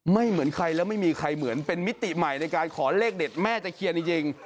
เหมือนใครแล้วไม่มีใครเหมือนเป็นมิติใหม่ในการขอเลขเด็ดแม่ตะเคียนจริง